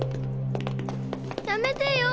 やめてよ！